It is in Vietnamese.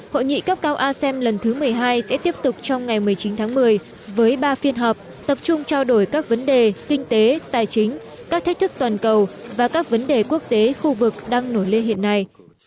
hội nghị cấp cao asem lần thứ một mươi hai sẽ tiếp tục trong ngày một mươi chín tháng một mươi với ba phiên họp tập trung trao đổi các vấn đề kinh tế tài chính các thách thức toàn cầu và các vấn đề quốc tế khu vực đang nổi lên hiện nay